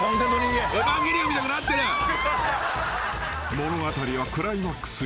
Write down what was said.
［物語はクライマックスへ。